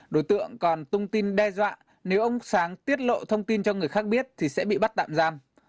đối tượng còn tung tin đe dọa nếu ông sáng tiết lộ thông tin cho người khác biết thì sẽ bị bắt tạm giam